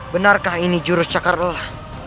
benarkah ini jurus cakar lelah